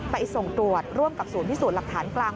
ไปส่งตรวจร่วมกับศูนย์พิสูจน์หลักฐานกลาง